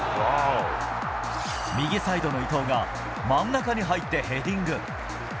右サイドの伊東が、真ん中に入ってヘディング。